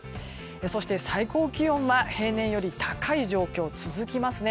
そして、最高気温は平年より高い状況が続きます。